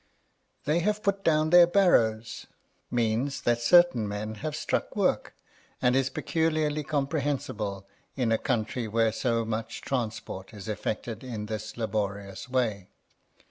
They have put down their barrows, means that certain men have struck work, and is peculiarly comprehensible in a country where so much transport is effected in this laborious way.